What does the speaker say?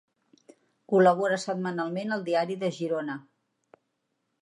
Col·labora setmanalment al Diari de Girona.